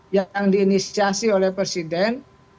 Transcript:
yang diinisiasi oleh presiden